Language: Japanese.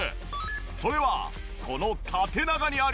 それはこの縦長にあり！